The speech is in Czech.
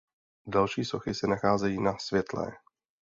Další sochy se nacházejí "Na Světlé".